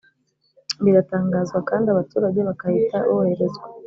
biratangazwa kandi abaturage bakahita boherezwa.